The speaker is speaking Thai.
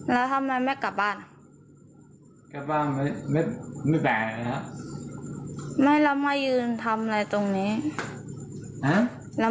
แล้วให้ต่างมายุนไหม